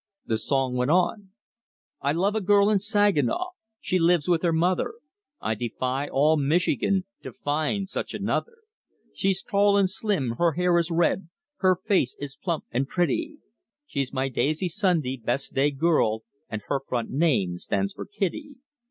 The song went on. "I love a girl in Saginaw, She lives with her mother. I defy all Michigan To find such another. She's tall and slim, her hair is red, Her face is plump and pretty. She's my daisy Sunday best day girl, And her front name stands for Kitty."